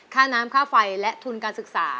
ค่าน้ำค่าไฟและทุนการศึกษา